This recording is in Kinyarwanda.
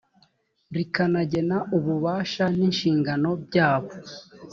rikanagena ububasha n inshingano byabo